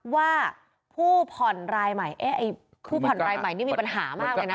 ว่าผู้ผ่อนรายใหม่ผู้ผ่อนรายใหม่นี่มีปัญหามากเลยนะ